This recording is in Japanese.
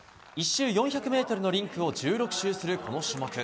１周４００ｍのリンクを１６周するこの種目。